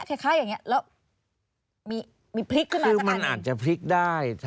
แล้วมีพลิกขึ้นมาสักครั้งอีกคือมันอาจจะพลิกได้